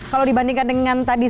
kalau dibandingkan dengan tadi